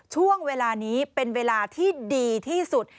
ช่วงเวลานี้เป็นเวลาที่ดีที่สุด